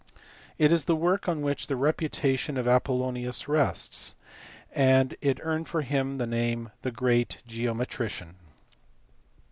It is the work on which the reputation of Apollonius rests, and it earned for him the name of " the great geometrician."